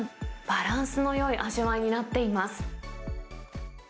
バランスのよい味わいになっています。